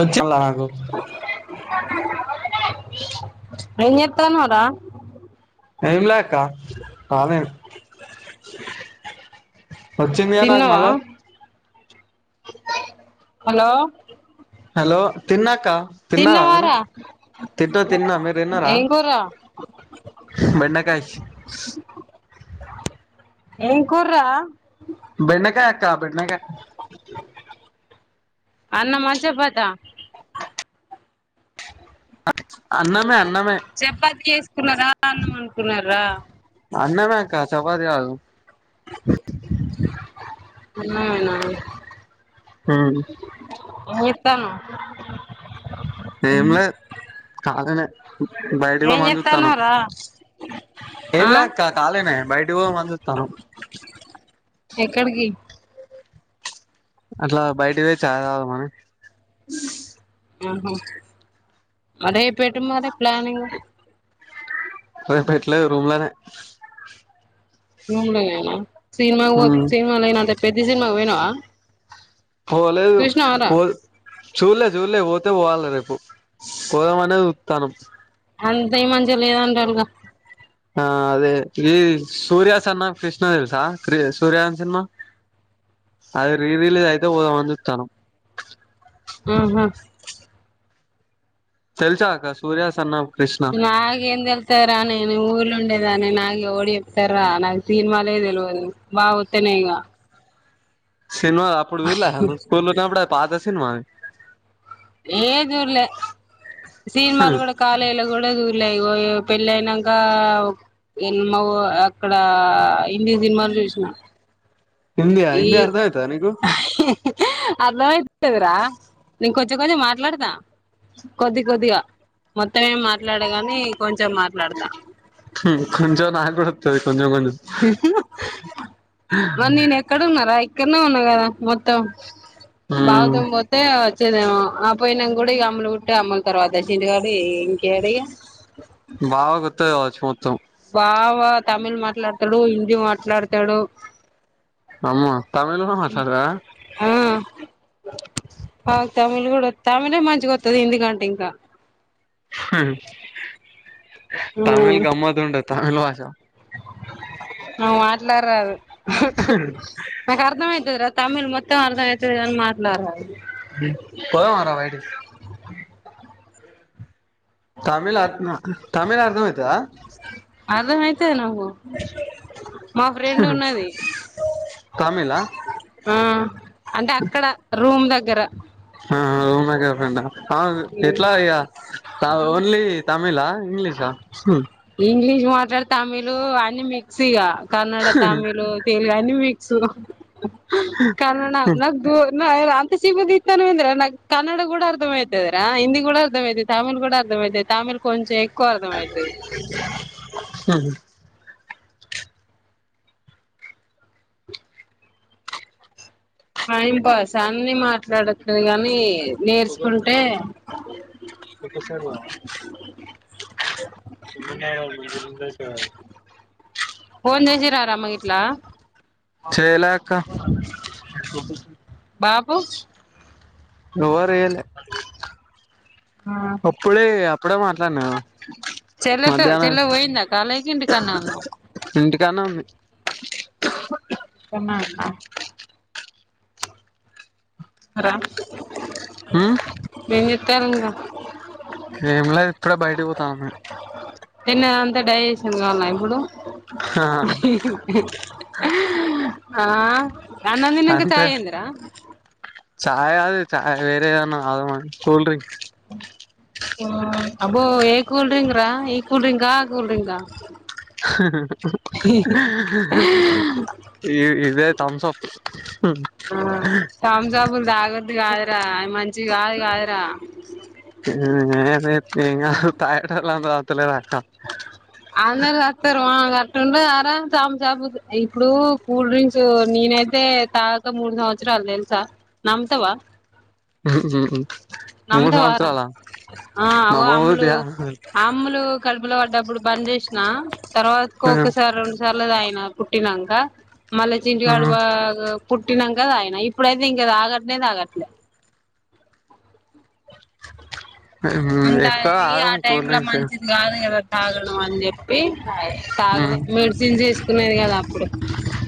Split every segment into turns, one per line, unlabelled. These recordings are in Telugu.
వచ్చేలగాన్ [unintelligible]
ఎం చేతన్నావురా
ఏం లె అక్క కాలే వచ్చింది గా నాకు
తిన్నావా
మళ్ళా
హలో
హలో తిన్న అక్క తిన్నారా మీరు
తిన్నవారా
తింటా తిన్న మీరు తిన్నారా
ఏం కూర
బెండకాయ
ఏం కూర్రా
బెండకాయ అక్క బెండకాయ
అన్నమ చపాతా
అన్నమే అన్నమే
చపాతి చెసుకున్నారా అన్నం వన్డుకున్నారా
అన్నమే అక్క చపాతి కాదు
అన్నమేనా ఏమ్ చెత్తన్నావు
ఏం లే కాలినే బయటికీ
ఏం
పోదమని చుతున్నాం
చేత్తన్నావ్ రా
ఏం
ఆ
లే అక్క కాలినే బయటకి పోదమని చూస్తున్నాం
ఎక్కడికి
అట్లా బయటికి పోయి చాయ్ తాగుదామని.
ఆహా రేపేటు మరి ప్లానింగ్.
రేపు ఎటులేదు రూమ్లనే.
రూమ్లనేనా సినిమాకు పో సినిమా పోయినా అంటే పెద్ధి సినిమాకు పోయినవా.
పోలేదు పోదు. చూల్లే చూల్లే పోతే పోవాలె రేపు పోదామనే చూత్తాన్నం.
అంత ఏం మంచిగా లేదంటల్లుగా.
ఆ అదే ఈ సూర్య సన్నాఫ్ కృష్ణ తెల్సా సూర్యగాని సినిమా. అది రీ రిలీజ్ అయితే పోదమని చూత్తాన్నం.
ఆహా.
తెల్సా అక్కా సూర్యా సన్నాఫ్
నాకేం తెల్సు. త్తదిరా నేను ఊర్లో ఉండేదాన్నే నాకు ఎవడు చెప్తడురా నాకు సినిమాలే తెలవదు బావ వత్తనే ఇగ.
సినిమాలు అప్పుడు చూల్లేదా నువ్వు స్కూల్ల ఉన్నపుడు అది పాత సినిమా.
ఏది చూడ్లె సినిమాలు కూడా కాలేజ్ల కూడా చూడ్లే ఇగొ ఇగ పెళ్ళయినంకా ఎ మా అక్కడ హిందీ సినిమాలు చూశిన.
హిందీ
ఈ
హిందీ అర్థమైతదా నీకు
అర్ధం అయితదిరా నేను కొంచెం కొంచెం మాట్లాడతా. కొద్ది కొద్దిగా మొత్తమేం మాట్లాడగాని కొంచెం మాట్లాడతా.
కొంచం నాకు కూడా వత్తది కొంచెం కొంచెం.
మరి నేను ఎక్కడ ఉన్నరా ఇక్కడ్నే ఉన్నా కదా మొ త్తం బావ
మ్మ్
తోని పోతే వచ్చేదేమో ఆ పోయినంకా కూడా ఇగ అమ్ములు పుట్టే, అమ్ములు తర్వాత చింటుగాడు ఇంకేడ ఇగ.
బావకు వత్తది కావచ్చు మొత్తం.
బావ తమిళ్ మాట్లాడతడు, హిందీ మాట్లాడతడు.
అమ్మా తమిళ్ కూడ మాట్లాడతడా.
ఆ ఆ తమిళు కూడా తమిళే మంచిగా అత్తది హిందీ కంటే ఇంకా.
తమిళ్ గమ్మతుంటది తమిళ్ భాష.
నాకు మాట్లాడరాదు. నాకు అర్ధం అయితదిరా తమిళ్ మొత్తం అర్ధమయితది కాని మాట్లాడరాదు.
పోదం ఆరా బయటికి. తమిళ్ అర్నా తమిళ అర్థం అయితదా.
అర్దం అయితది నాకు. మా ఫ్రెండ్ ఉన్నది.
తమిళా
ఆ అంటే అక్కడ రూమ్ దగ్గర.
ఆ రూమ్ దగ్గర ఫ్రెండా అవును ఎట్లా ఇగ కాదు ఓన్లీ తమిళా. ఇంగ్లీషా.
ఇంగ్లీష్ మాట్లాడ తమిళ అన్ని మిక్స్ ఇగా కన్నడ, తమిళు తెలుగు అన్ని మిక్స్ కన్నడ నాకు దూ నా ఇ అంత సిగ్గుతీత్తన్నవు ఎందిరా. నాకు కన్నడ కూడా అర్ధమైతదిరా, హిందీ కూడా అర్థమయితది, తమిళు కూడా అర్ధమయితది. తమిళ్ కొంచెం ఎక్కువ అర్థమయితది.
ఉహ్.
టైం పాస్ అన్ని మాట్లాడత్తది కానీ
ఫోటోస్ దిగుదామా, [unintelligible] పోదామా. [unintelligible]
ఫోన్ చేసిరా రా అమ్మ గిట్ల
చేయాలె అక్క
బాబూ
ఎవరు చేయలే
ఆ
అప్పుడే అప్పుడే మాట్లాడిన నేను
చెలతో చెల్ల పోయింది కాలేజ్ కి ఇంటికాడే ఉన్నదా
ఇంటికానే ఉంది
[unintelligible] రా
హ్మ్
ఏం చేత్తరూ ఇంకా
ఏమి లేదు ఇప్పుడే బయటకి పోతానాను
తిన్నది అంతా డైజెషన్ కావాలా ఇప్పుడు ఆ అన్నందినంక చాయి అంద్ర
చాయ కదు చా వేరే ఏదన్నా కూల్ డ్రింక్
అబో ఏ కూల్ డ్రింక్ రా ఈ కూల్ డ్రింగ్ ఆ కూల్ డ్రింగ్ ఆ
ఈ ఇదే థమ్స్ అప్
తమ్సాబులు తాగద్దు కాదురా అది మంచిడి కాదు కాదురా
ఏం గాడు తగేతోల్లు తగితలేరా అక్క
అందరు చస్తారు అట్లా ఉంటదార చాప చాపు ఇప్పుడు కూల్ డ్రింక్స్ నేనైతే తాగక మూడు సంవత్సరాలు తెల్సా నమ్ముతావా
ఉ
నమ్ముతవార ఆ అగొ అమ్ములు
నమ్మబుద్ధిగా
అమ్లు కడుపులో పడ్డప్పుడు బంద్ చేసిన తర్వాత ఒక్కసారి రెండు సర్ల తాగిన పుట్టినాక మళ్ళీ చింటుగాడు బా పుట్టినాంక తాగిన ఇప్పుడైతే ఇంకా తాగట్నే తాగట్లేదు అంతా
ఎక్కువ
ఆ
తాగం కూల్
టైంల
డ్రింక్స్
మంచిది కాదు కదా తగడం అని చెప్పి తాగలే మెడిసిన్ చేసుకునేది కదా అప్పుడు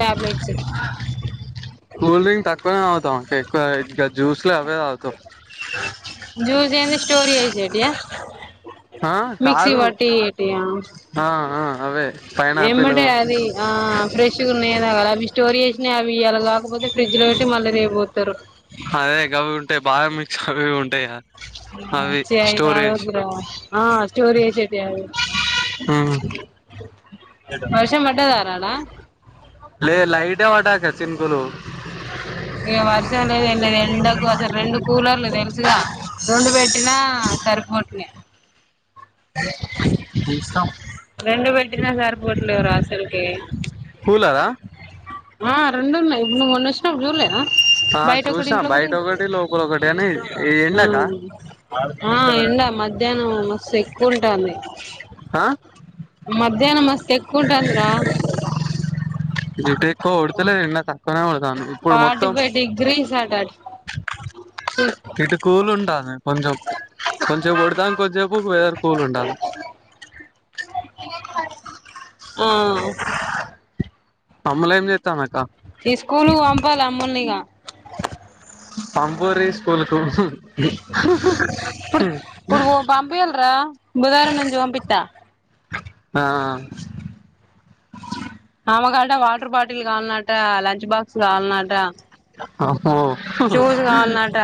టాబ్లెట్స్
కూల్డ్రిగు తక్కువనే తాగుతాం ఎక్కువ ఇంకా జ్యూస్లు అవే రాత
జూస్ ఏవీ స్టోర్ చేసేటియ
ఆ
మక్సీ
కాదు
పట్టి ఏటియా
ఆ ఆ అవే పైనాపిల్
ఎమట అది ఆ ఫ్రెష్గా ఉన్నాయిదా అవి స్టోర్ చేసినాయి అవి అలా కాకపోతే ఫ్రిడ్జ్ లో పెట్టి మళ్ళీ రేపూపోతారు
అదే అవి ఉంటాయి బాదం మిక్స్ అవి ఉంటాయి కదా
చ్చి అవి తగదు రా సోర్ చేసేతియాయి
హ్మ్
వర్షం పడ్డాదార ఆడ
లేదు లైట్ గా పడ్డది అటు సైడ్
ఇక వర్షం లేదు ఏం లేదు ఎండకు అసలు రెండు కూలర్లు తెలుసుగా రెండు పెట్టినా సరిపోవట్లే రెండు పెట్టినా సరిపోవట్లేదు రా ఆసలుకి
హూలదా
ఆ రెండు ఉన్నాయి నువ్వు మొన్న వచ్చినప్పుడు చూలేద
ఆ
బయట ఒకటి
చూసినా
ఇంట్లో ఒకటి
బయట లోపల ఒకటి అని
ఆ
ఎండకా
ఆ ఎండా మధ్యాహ్నం మస్తు ఎక్కువ ఉంటది
ఆ
మధ్యాహ్నం మస్తు ఎక్కువగా ఉంటుంది రా
ఇటు ఎక్కువ కొడతలేదు ఎండ తక్కువనే కొడుతంది ఇప్పుడు
ఫార్టీ
మొత్తం
ఫైవ్ డిగ్రీస్ అట
ఆ ఇటు కూలు ఉంటాది కొంచెం కొంచసేపు కొడతాంది కొంతసేపు వెదర్ వేరే కూలు ఉంటాది
ఆ ఆ
అమ్ములు ఏం చెత్తంది అక్క
ఈ స్కూలు పంపాలి అమ్ములు ఇగ
పంపుర్రి స్కూలు కు
ఇప్పుడు ఇప్పుడు పంపింయర్ర బుధవారం నుంచి పంపిస్తా
ఆ జ
ఆమెకట వాటర్ బాటిల్ కావాలన్నట లంచ్ బాక్స్ కావాలన్నట
ఆహో
షూస్ కావాలన్నట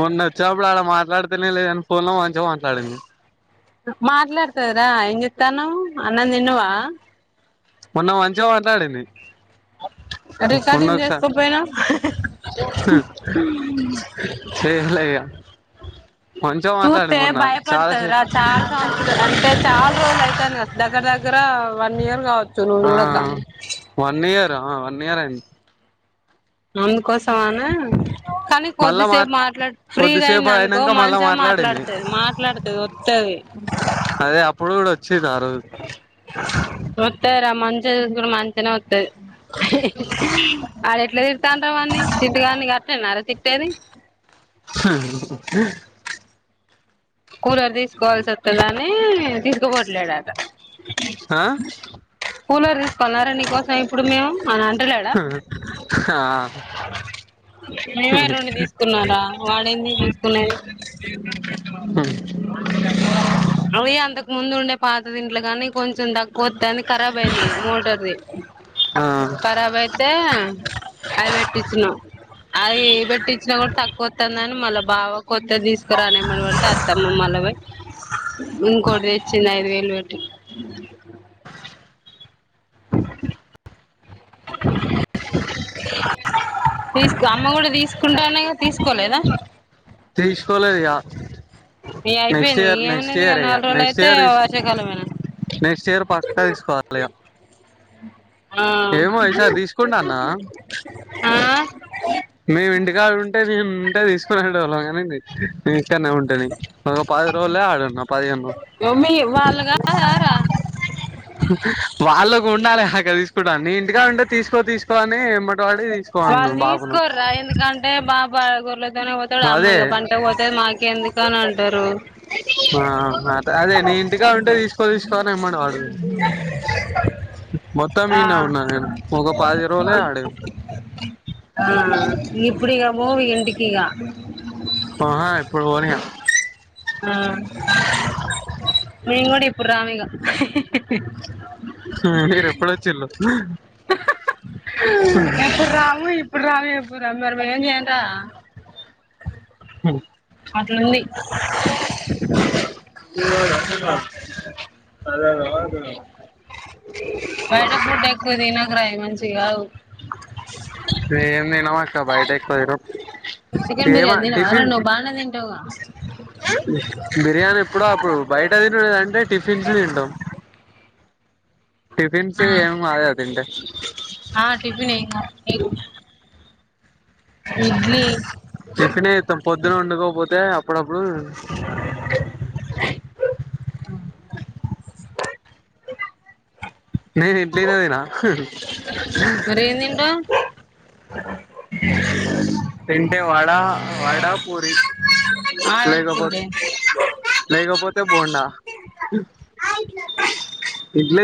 మొన్న వచ్చినప్పుడు ఆడ మాట్లాడితేనే లేదు కని ఫోన్ లో మంచిగా మాట్లాడింది
మాట్లాడుతది రా ఏం చేతన్నవ్ అన్నం తిన్నావా
మొన్న మంచిగా మాట్లాడింది మొన్న
రికార్డింగ్
ఒక్కసా
చేసుకోపోయినావ్
ఏం లే ఇగ మంచిగా
చూస్తే
మాట్లాడింది మొన్న
భయపడుతంది రా
చాలాసేపు
చాలా సంవత్సరాలు అంటే చాలా రోజులు అయితంది దగ్గర దగ్గర వన్ ఇయర్ కావచ్చు నువ్వు
ఆ
చూడక
వన్ ఇయర్ వన్ ఇయర్ అయింది
అందుకోసం అనే కానీ
మళ్ళా మా
కొద్దిసేపు మాట్లాడు ఫ్రీగా
కొద్దిసేపు
అయింది అనుకో
అయినంక మళ్ళా
మంచిగా
మాట్లాడింది
మాట్లాడుతది మాట్లాడుతది వత్తది
అదే అప్పుడు కూడా వచ్చింది ఆ రోజు
వత్తది రా మంచిగా చూసుకుంటే మంచి గానే వత్తది వాడు ఎట్లా తిడుతాండారు వాన్ని చిట్టుగన్ని గట్నేనారా తిట్ తిట్టేది
హ్
కూలర్ తీసుకోవాల్సి అత్తదనీ తీసుకోపోట్లేడు అట
ఆ
కూలర్ తీసుకోలన్నార నీ కోసం ఇప్పుడు మేము అని అంటలేడా
హా
మేమే రెండు తీసుకున్నామురా వాడేంది తీసుకునేది
అ
అవి అంతకు ముందు ఉండే పాతది ఇంట్లో గాని కొంచెం దక్కువతంది కరబయింది మోటార్డి
ఆ
కరాబ్ అయి తే అవి పెట్టించినాం అవి పెట్టించినా కూడా తక్కువ వస్తుందని మళ్ళా బావ కొత్తది తీసుకురా అని ఎంబడివడితే అత్తమ్మ మల్లవోయి ఇంకోటి తెచ్చింది ఐదు వేలువెట్టి తీసుకో అమ్మ కూడా తీసుకుంటాఅనే తీసుకోలేదా
తీసుకోలేదుఇగ
ఇగ
నెక్స్ట్
అయిపోయింది
ఇయర్ నెక్స్ట్
ఏమున్నది
ఇయర్ ఇగ
నాలుగు రోజులు
నెక్స్ట్
అయితే
ఇయర్ తీసు
వర్షాకాలమేనా
నెక్స్ట్ ఇయర్ పక్కా తీసుకోవాలి ఇగ
ఉ
ఏమో ఈ సారీ తీసుకుంట అన్న
ఆ
మేము ఇంటికాడ ఉంటే నేను ఉంటే తీసుకొని వెళ్దాము కని నేను ఇక్కడనే ఉంటినీ ఆ పది రోజులే ఆడున్నా పదిహేను
మమ్మీ ఇవ్వాలా కాదారా
వాళ్ళకి ఉండాలే నా దగ్గర తీసుకుంటానీ ఇంటికా ఉంటే తీసుకో తీసుకోఅని ఎమ్మటివడి
వాళ్ళు తీసుకోర్రా ఎందుకంటే బాపు గొర్ల తోటే పోతా తాడు
అదే
అమ్మాయిగా పనికే పోతేది మాకు ఎందుకు అని అంటారు
ఆ అదే నీ ఇంటికా ఉంటే తీసుకో తీసుకో అని వెంబడి పడు మొత్తం
ఆ
ఇన్నే ఉన్నాను నేను ఒక పది రోజులే ఆడే ఉంటీ
ఆ ఇప్పుడు పోవు ఇంటికిఇగ
ఆహా ఇప్పుడు పోను ఇగ
ఆ మీమేం కూడా ఇప్పుడు రామ్ ఇగ
ఆ మీరు ఎప్పుడు వచ్చిల్లు
ఎప్పుడు రాము ఇ ఇప్పుడు రాము ఎప్పుడూ రాము మరి మేం ఏంజేయలిరా
ఉ పిల్లాడ పిల్లోడా సరే రా అంటున్న
బయట ఫుడ్ ఎక్కువ తినకురా అయిమంచివికావు
ఏం తినమాక్క బయట ఎక్కువ తినం
చికెన్
ఏమా
బిర్యానీ తినవారా
టిఫిన్
నువ్వు బానే తింటావుగా
బిర్యానీ ఎప్పుడు అప్పుడు బయట తినడు అంటే టిఫిన్స్ తింటాం టిఫిన్స్
ఆ
ఏమి కాదు కదా తింటే.
ఆ టిఫిన్ ఇంగా మీరు ఇడ్లీ
టిఫిన్ ఇంత పొద్దున వంకోపోతే అప్పుడప్పుడు
కుక్క సౌండ్
నేను ఇడ్లీనేతీనా
మరెంతింటవ్
తింటే వడ వడ పూరి
ఆయిల్
లేకపోతే
ఫుడ్
లేకపోతే బోండా ఇడ్లీ